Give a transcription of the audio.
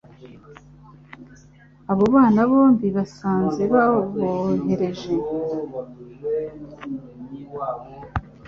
abo bana bombi basanze babohereje